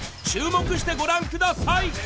注目してご覧ください。